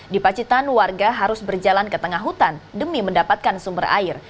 di pacitan warga harus berjalan ke tengah hutan demi mendapatkan sumber air